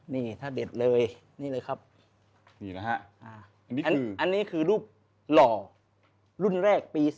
นี่ถ้าเด็ดเลยนี่เลยครับนี่นะฮะอันนี้คือรูปหล่อรุ่นแรกปี๒๕